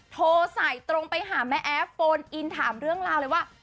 โทรใส่ตรงไปหาแม่แอฟโฟนอินถามเรื่องราวเลยว่า